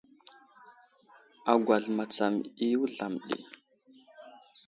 Agwal matsam i wuzlam ɗi.